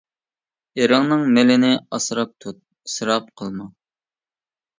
ئېرىڭنىڭ مېلىنى ئاسراپ تۇت، ئىسراپ قىلما.